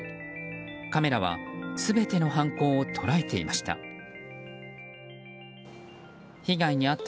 カメラは全ての犯行を捉えていました。